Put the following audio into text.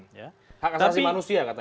hak asasi manusia katanya